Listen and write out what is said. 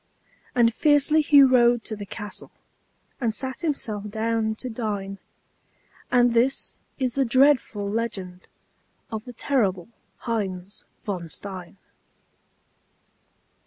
And fiercely he rode to the castle And sat himself down to dine; And this is the dreadful legend Of the terrible Heinz von Stein.